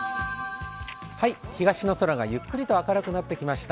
東の空がゆっくりと明るくなってきました。